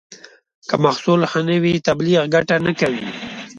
که محصول ښه نه وي، تبلیغ ګټه نه کوي.